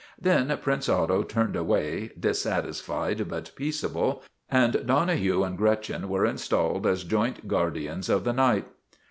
Then Prince Otto turned away, dissatisfied but peaceable, and Donohue and Gretchen were installed as joint guardians of the night.